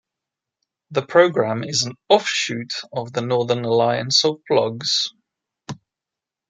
The program is an offshoot of the Northern Alliance of Blogs.